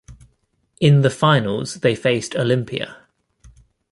In the finals they faced Olimpia.